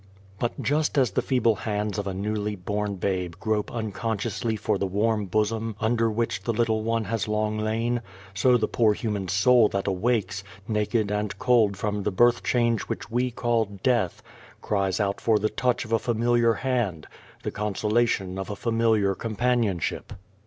But just as the feeble hands of a newly born babe grope unconsciously for the 23 The Dream of the Dead Folk warm bosom under which the little one has long lain so the poor human soul that awakes, naked and cold from the birth change which we call death, cries out for the touch of a familiar hand, the consolation of familiar companionship.